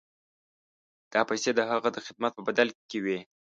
دا پیسې د هغه د خدمت په بدل کې وې.